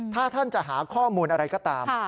ถ้าท่านจะหาข้อมูลอะไรก็ตาม